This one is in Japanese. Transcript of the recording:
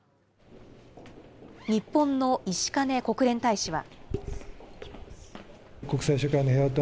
日本の石兼国連大使は。